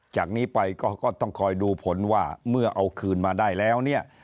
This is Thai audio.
จากนี้ไปก็ต้องคอยดูผลว่าเมื่อเอาคืนมาได้แล้วเนี่ย